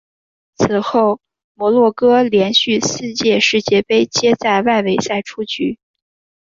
此后摩洛哥连续四届世界杯皆在外围赛出局。